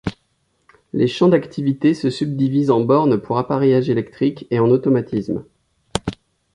Les champs d'activité se subdivisent en bornes pour appareillage électrique et en automatismes.